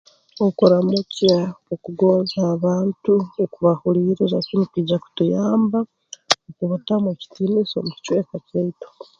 Okuramukya okugonza abantu okubahuuliiriza kinu kiija kutuyamba okubatamu ekitiinisa omu kicweka kyaitu